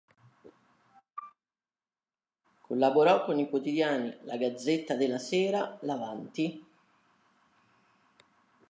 Collaborò con i quotidiani la "Gazzetta della Sera", l"'Avanti!